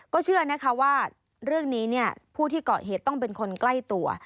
เชื่อนะคะว่าเรื่องนี้ผู้ที่เกาะเหตุต้องเป็นคนใกล้ตัว